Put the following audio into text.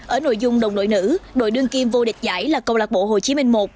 ở nội dung đồng đội nữ đội đương kim vô địch giải là câu lạc bộ hồ chí minh một